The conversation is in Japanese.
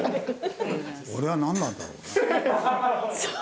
俺はなんなんだろうね？